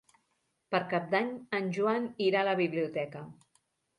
Per Cap d'Any en Joan irà a la biblioteca.